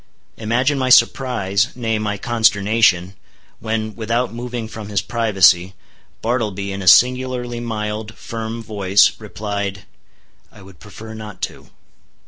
Imagine my surprise, nay, my consternation, when without moving from his privacy, Bartleby in a singularly mild, firm voice, replied, "I would prefer not to."